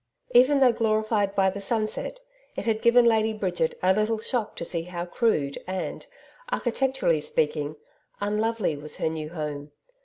Even though glorified by the sunset, it had given Lady Bridget a little shock to see how crude and architecturally speaking unlovely was her new home.